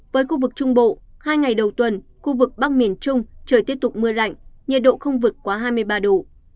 với khu vực trung bộ hai ngày đầu tuần khu vực bắc miền trung trời tiếp tục mưa lạnh nhiệt độ không vượt quá hai mươi ba độ